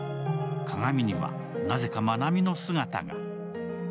鏡には、なぜかまなみの姿が。